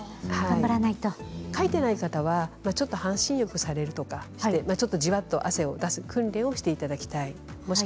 かいていない方は半身浴されるとかじわっと汗を出す訓練をしていただきたいです。